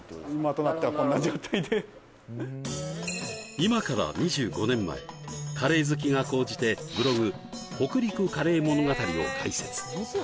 今からカレー好きが高じてブログ北陸カレー物語を開設